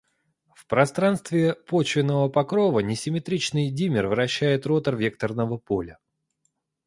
в пространстве почвенного покрова, несимметричный димер вращает ротор векторного поля.